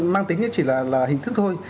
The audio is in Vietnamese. mang tính chỉ là hình thức thôi